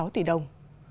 ba mươi sáu tỷ đồng